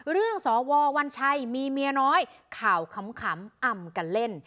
สววัญชัยมีเมียน้อยข่าวขำอำกันเล่น